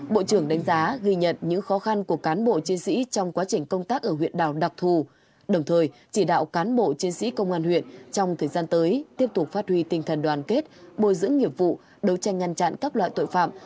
bộ trưởng đánh giá ghi nhận những khó khăn của cán bộ chiến sĩ trong quá trình công tác ở huyện đảo đặc thù đồng thời chỉ đạo cán bộ chiến sĩ công an huyện trong thời gian tới tiếp tục phát huy tinh thần đoàn kết bồi dưỡng nghiệp vụ đấu tranh ngăn chặn các loại tội phạm